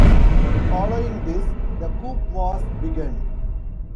Following this, the coup was begun.